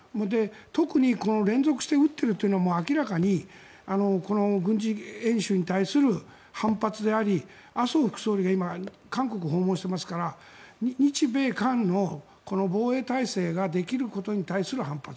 特に連続して撃っているというのは明らかにこの軍事演習に対する反発であり麻生副総裁が今、韓国を訪問してますから日米韓のこの防衛体制ができることに対する反発